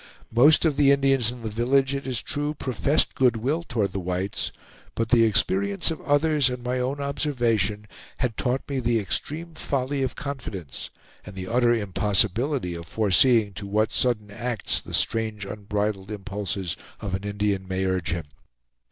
Most of the Indians in the village, it is true, professed good will toward the whites, but the experience of others and my own observation had taught me the extreme folly of confidence, and the utter impossibility of foreseeing to what sudden acts the strange unbridled impulses of an Indian may urge him.